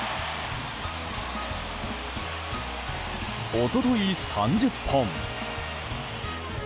一昨日３０本。